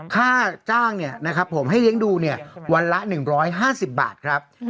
ค่าจ้างเนี่ยนะครับผมให้เลี้ยงดูเนี่ยวันละหนึ่งร้อยห้าสิบบาทครับ